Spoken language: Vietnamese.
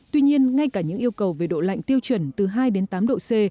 tuy nhiên ngay cả những yêu cầu về độ lạnh tiêu chuẩn từ hai đến tám độ c